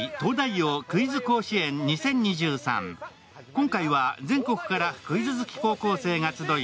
今回は全国からクイズ好き高校生が集い